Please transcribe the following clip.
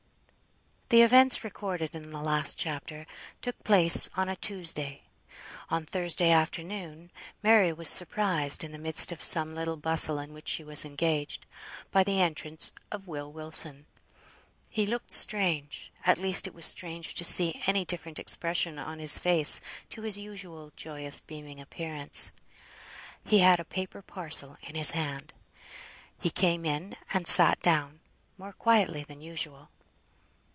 The events recorded in the last chapter took place on a Tuesday. On Thursday afternoon Mary was surprised, in the midst of some little bustle in which she was engaged, by the entrance of Will Wilson. He looked strange, at least it was strange to see any different expression on his face to his usual joyous beaming appearance. He had a paper parcel in his hand. He came in, and sat down, more quietly than usual.